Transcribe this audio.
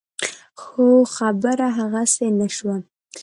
خو خبره هغسې نه شوه.